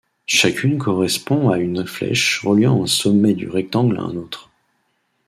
Chacune correspond à une flèche reliant un sommet du rectangle à un autre.